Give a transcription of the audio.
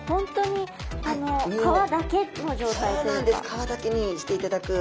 皮だけにしていただく。